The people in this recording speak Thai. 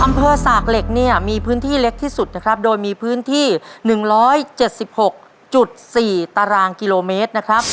สากเหล็กเนี่ยมีพื้นที่เล็กที่สุดนะครับโดยมีพื้นที่๑๗๖๔ตารางกิโลเมตรนะครับ